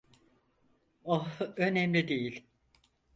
Oh, önemli değil.